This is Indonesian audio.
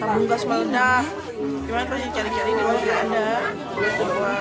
malamnya kejadian itu malam sebelumnya tuh ya kayak ada suara terbumbas meledak